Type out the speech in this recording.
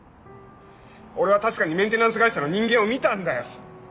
俺は確かにメンテナンス会社の人間を見たんだよ。